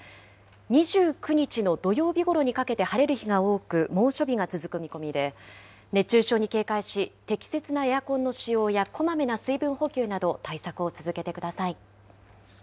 ２９日の土曜日ごろにかけて、晴れる日が多く、猛暑日が続く見込みで、熱中症に警戒し、適切なエアコンの使用やこまめな水分補給など、対策を続けてください。